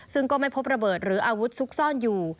ซึ่งก็ไม่พบระเบิดหรืออาวุธซุกซ่อนอยู่